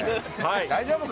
大丈夫か？